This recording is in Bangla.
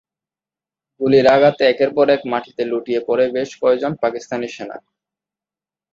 গুলির আঘাতে একের পর এক মাটিতে লুটিয়ে পড়ে বেশ কয়েকজন পাকিস্তানি সেনা।